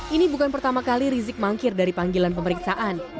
ini bukan pertama kali rizik mangkir dari panggilan pemeriksaan